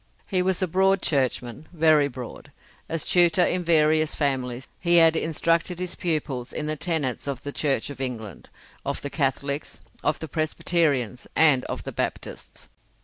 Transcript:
He was a Broad Churchman, very broad. As tutor in various families, he had instructed his pupils in the tenets of the Church of England, of the Catholics, of the Presbyterians, and of the Baptists.